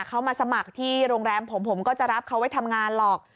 เขามาสมัครที่โรงแรมผมผมก็จะรับเขาไว้ทำงานหรอก